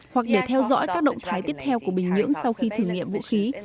hoặc để theo dõi các động thái tiếp theo của bình nhưỡng sau khi thử nghiệm vũ khí